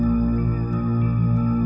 terima kasih pak